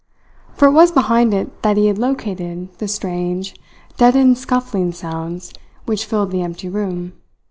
For it was behind it that he had located the strange, deadened scuffling sounds which filled the empty room.